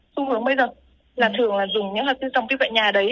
xu hướng bây giờ là thường là dùng những hạt tiêu dòng piu tại nhà đấy